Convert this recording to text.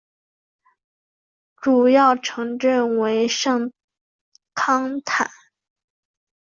主要城镇为圣康坦。